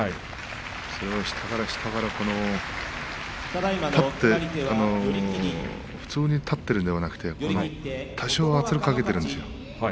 それを下から下から普通に立っているのではなくて多少、圧力をかけているんですよね。